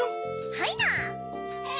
はいな！